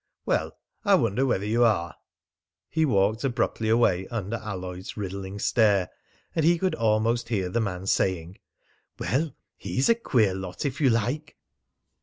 "Well, I wonder whether you are." He walked abruptly away under Alloyd's riddling stare, and he could almost hear the man saying, "Well, he's a queer lot, if you like."